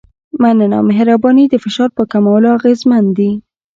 مننه او مهرباني د فشار په کمولو اغېزمن دي.